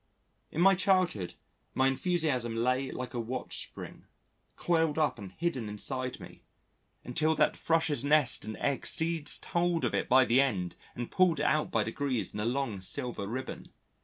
In my childhood my enthusiasm lay like a watch spring, coiled up and hidden inside me, until that Thrush's nest and eggs seized hold of it by the end and pulled it out by degrees in a long silver ribbon.